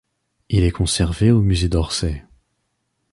Il est conservé au musée d'Orsay.